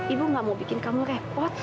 ibu gak mau bikin kamu repot